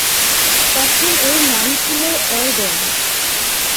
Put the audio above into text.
তখন এর নাম ছিল এর্গন।